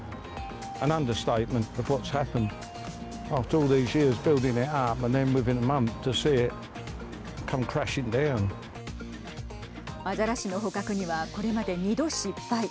あざらしの捕獲にはこれまで２度失敗。